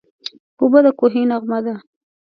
اوبه د کوهي نغمه ده.